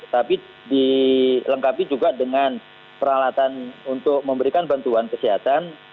tapi dilengkapi juga dengan peralatan untuk memberikan bantuan kesehatan